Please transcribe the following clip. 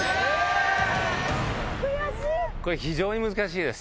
これ非常に難しいです。